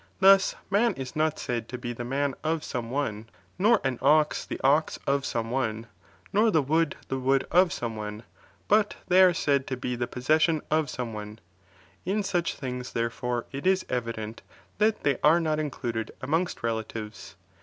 Thus man is not said to be the man of some one, nor an ox the ox of some one, nor the wood the wood of some one, but they itre said to be the possession of some one ; in such things i^herefore, it is evident, that they are not included amongst re is. But loiTiis latives.